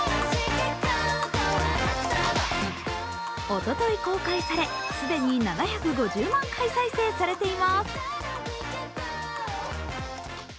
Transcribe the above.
おととい公開され、既に７５０万回再生されています。